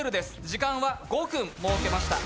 時間は５分、設けました。